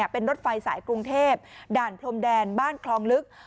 เป็นรถไฟสายกรุงเทพด่านพรมแดนบ้านคลองลึก